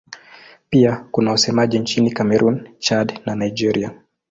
Pia kuna wasemaji nchini Kamerun, Chad na Nigeria.